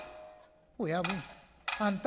「親分あんた